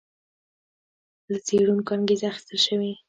له څېړونکو انګېزه اخیستل شوې.